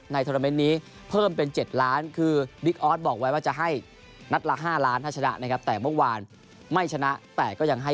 ถ้าไม่บูลกลองหลังที่ทำประตูแรกให้นำทีมชาติได้ก็บอกขอมอบประตูนี้ให้กับแม่ที่มาชมการแรงขัน